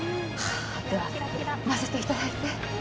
では混ぜていただいて。